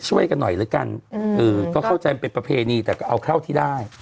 ช่วยกันหน่อยแล้วกันก็เข้าใจมันเป็นประเพณีแต่ก็เอาเข้าที่ได้